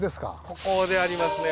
ここでありますね。